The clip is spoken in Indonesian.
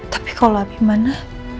tapi kalau abimana